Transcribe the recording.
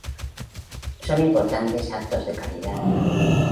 Son importantes actos de caridad.